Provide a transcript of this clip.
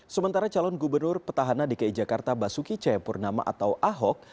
sementara calon gubernur petahana dki jakarta basuki cahayapurnama atau ahok